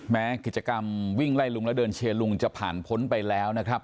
แม้กิจกรรมวิ่งไล่ลุงแล้วเดินเชียร์ลุงจะผ่านพ้นไปแล้วนะครับ